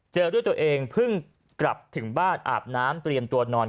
ด้วยตัวเองเพิ่งกลับถึงบ้านอาบน้ำเตรียมตัวนอน